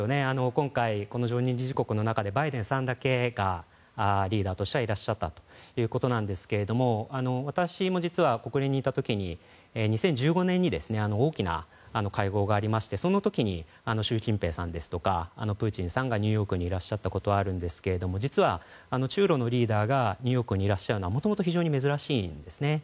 今回、常任理事国の中でバイデンさんだけリーダーとしてはいらっしゃったということで私も実は国連にいた時に２０１５年に大きな会合がありましてその時に習近平さんとかプーチンさんがニューヨークにいらっしゃったことはあるんですが実は、中ロのリーダーがニューヨークにいらっしゃるのはもともと非常に珍しいんですね。